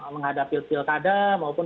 menghadapi pilkada maupun